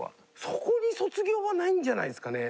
そこに卒業はないんじゃないですかね？